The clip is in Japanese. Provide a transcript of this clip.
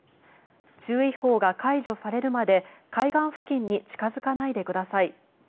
注意報が解除されるまで海岸付近に近付かないでください。